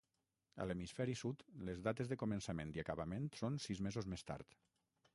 A l'hemisferi sud, les dates de començament i acabament són sis mesos més tard.